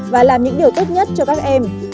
và làm những điều tốt nhất cho các em